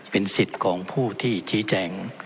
เป็นสิทธิ์ของผู้ที่ชี้แจง